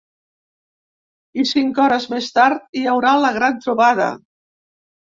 I cinc hores més tard hi haurà la gran trobada.